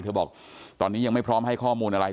บอกตอนนี้ยังไม่พร้อมให้ข้อมูลอะไร